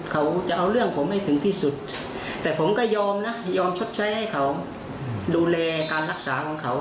เขาจะเอาเรื่องผมให้ถึงที่สุดแต่ผมก็ยอมนะยอมชดใช้ให้เขาดูแลการรักษาของเขา